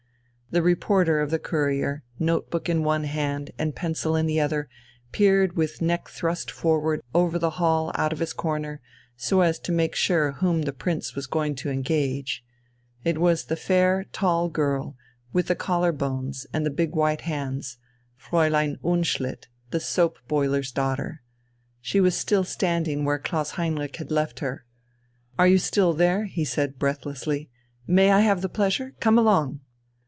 The reporter of the Courier, notebook in one hand and pencil in the other, peered with neck thrust forward over the hall out of his corner, so as to make sure whom the Prince was going to engage. It was the fair, tall girl, with the collar bones and the big white hands, Fräulein Unschlitt, the soap boiler's daughter. She was still standing where Klaus Heinrich had left her. "Are you still there?" he said breathlessly.... "May I have the pleasure? Come along!"